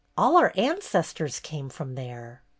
All our ancestors came from there."